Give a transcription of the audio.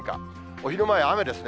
お昼前、雨ですね。